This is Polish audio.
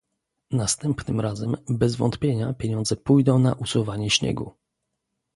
Następnym razem bez wątpienia pieniądze pójdą na usuwanie śniegu